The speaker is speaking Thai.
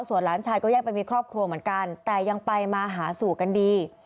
ส่วนหลานชายก็แยกไปมีครอบครัวเหมือนกันแต่ยังไปมาหาสู่กันดี